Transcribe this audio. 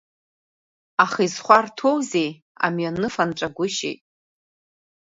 Аха изхәарҭоузеи, амҩаныфа нҵәагәышьеит.